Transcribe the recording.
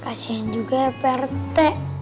kasian juga prt